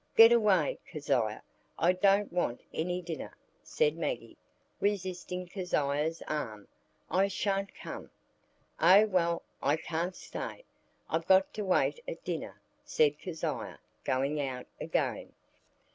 "Get away, Kezia; I don't want any dinner," said Maggie, resisting Kezia's arm. "I sha'n't come." "Oh, well, I can't stay. I've got to wait at dinner," said Kezia, going out again.